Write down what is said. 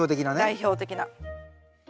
代表的な。